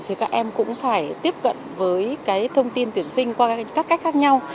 thì các em cũng phải tiếp cận với cái thông tin tuyển sinh qua các cách khác nhau